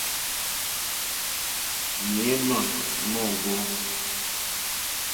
Ŋměmà móŋɡô.